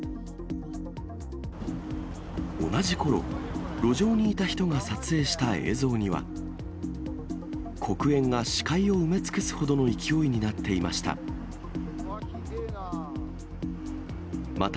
同じころ、路上にいた人が撮影した映像には、黒煙が視界を埋め尽くすほどの勢いになっていました。